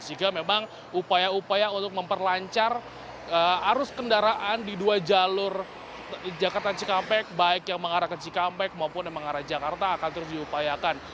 sehingga memang upaya upaya untuk memperlancar arus kendaraan di dua jalur jakarta cikampek baik yang mengarah ke cikampek maupun yang mengarah jakarta akan terus diupayakan